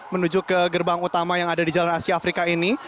menuju ke gerbang utama yang ada di jalan asia afrika ini